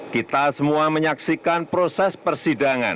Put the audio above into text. kita semua menyaksikan proses persidangan